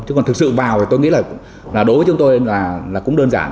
chứ còn thực sự vào thì tôi nghĩ là đối với chúng tôi là cũng đơn giản